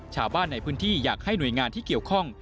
ชาวบ้านในพื้นที่อยากให้หน่วยงานที่เกี่ยวข้อง